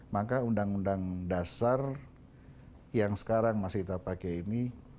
maka undang undang dasar yang sekarang masih kita pakai ini